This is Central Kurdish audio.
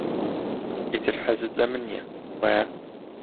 ئیتر حەزت لە من نییە، وایە؟